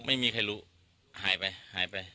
ไม่มีใครรู้หายไปหายไป